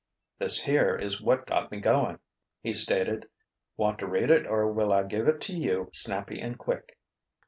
"This here is what got me going," he stated. "Want to read it or will I give it to you snappy and quick?"